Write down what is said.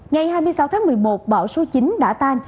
ngày hai mươi sáu tháng một mươi một bão số chín đã tan